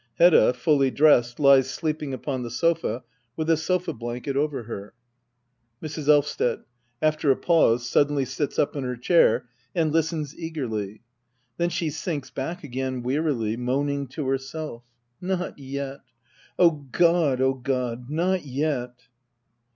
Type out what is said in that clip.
Hedda^ f^^kf dressed, lies sleeping upon the sofa, with a sofa blanket over her, Mrs. Elvsted. [After a paicse, suddenly sits up in her chair, and listens eagerly. Then she sinks back again wearily, 7noaningto herself 1^ Not yet I — Oh God— oh God — not yet